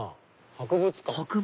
博物館？